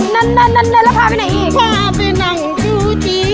นั่นนั่นนั่นแล้วพาไปไหนอีกพาไปนั่งทุกที